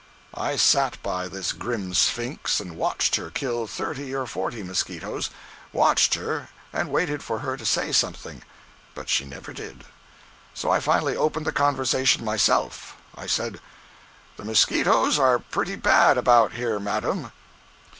I sat by this grim Sphynx and watched her kill thirty or forty mosquitoes—watched her, and waited for her to say something, but she never did. So I finally opened the conversation myself. I said: "The mosquitoes are pretty bad, about here, madam."